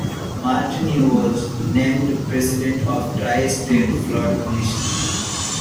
Martineau was named president of the Tri-State Flood Commission.